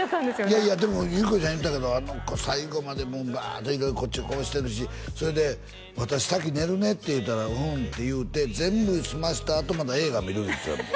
いやいやでも由紀子ちゃん言ってたけどあの子最後までバーッと色々こっちこうしてるしそれで「私先寝るね」って言うたら「うん」って言うて全部済ましたあとまだ映画見る言うてたもん